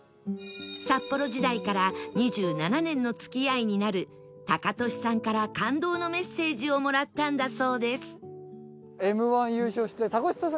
札幌時代から２７年の付き合いになるタカトシさんから感動のメッセージをもらったんだそうです